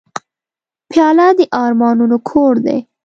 پیاله د ارمانونو کور دی.